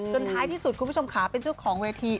ท้ายที่สุดคุณผู้ชมขาเป็นเจ้าของเวที